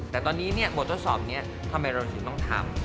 แต่ตอนนี้หมวดต้นสอบทำไมเราจึงต้องทำ